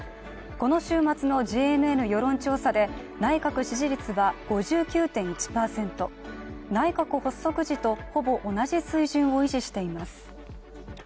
この週末のＪＮＮ世論調査で内閣支持率は５９．１％、内閣発足時とほぼ同じ水準を維持しています。